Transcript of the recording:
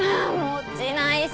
落ちないし。